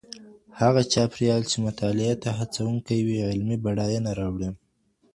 هغه چاپېريال چي مطالعې ته هڅونکی وي علمي بډاينه راوړي.